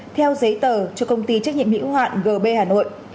theo giấy tờ cho công ty trách nhiệm hữu hạn gb hà nội